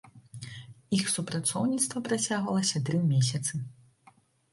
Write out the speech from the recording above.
Іх супрацоўніцтва працягвалася тры месяцы.